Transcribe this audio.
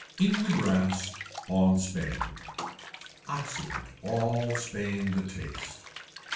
IN THE GRASS (ON SPAIN) Occident all Spain the taste.